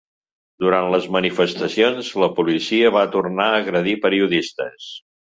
Durant les manifestacions la policia va tornar a agredir periodistes.